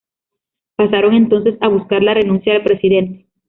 Pasaron entonces a buscar la renuncia del presidente.